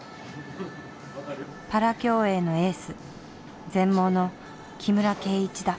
パラ競泳のエース全盲の木村敬一だ。